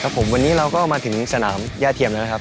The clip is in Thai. ผมวันนี้เราก็มาถึงสนามย่าเทียมแล้วนะครับ